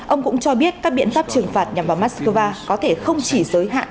ông cũng cho biết các biện pháp trừng phạt nhằm vào moscow có thể không chỉ giới hạn